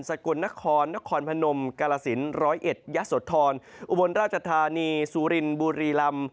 กลนครนครพนมกาลสินร้อยเอ็ดยะโสธรอุบลราชธานีสุรินบุรีลำ